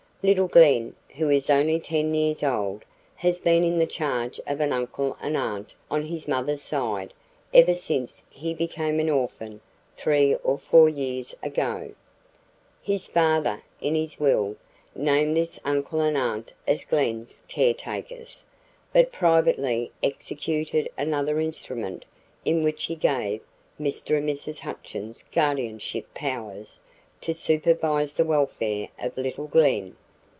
Little Glen, who is only 10 years old, has been in the charge of an uncle and aunt on his mother's side ever since he became an orphan three or four years ago. His father, in his will, named this uncle and aunt as Glen's caretakers, but privately executed another instrument in which he gave Mr. and Mrs. Hutchins guardianship powers to supervise the welfare of little Glen.